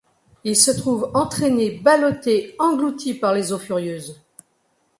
Il se trouve entraîné, ballotté, englouti par les eaux furieuses.